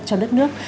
cho đất nước